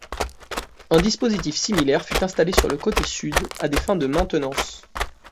Un dispositif similaire fut installé sur le côté sud, à des fins de maintenance.